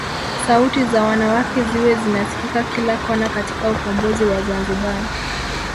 Sauti za wanawake ziwe zinasikika kila kona katika ukombozi wa Zanzibar